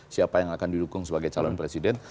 siapa yang akan didukung sebagai calon presiden